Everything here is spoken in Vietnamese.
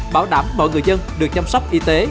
bảo đảm mọi người dân được chăm sóc y tế